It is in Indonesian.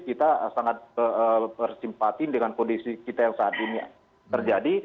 kita sangat bersimpati dengan kondisi kita yang saat ini terjadi